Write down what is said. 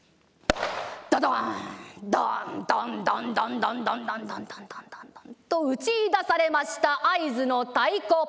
ドドンドンドンドンドンドンドンドンドンドンドンと打ちいだされました合図の太鼓。